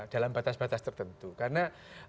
dalam batas batas tertentu karena